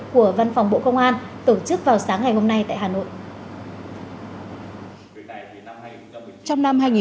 của văn phòng bộ công an tổ chức vào sáng ngày hôm nay tại hà nội